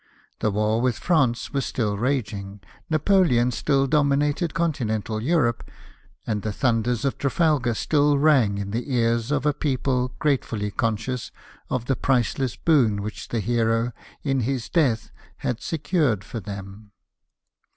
The war with France was still raging ; Napoleon still dominated Continental Europe ; and the thunders of Trafalgar still rang in the ears of a people gratefully conscious of the priceless boon Avhich the hero, in his death, had secured for them.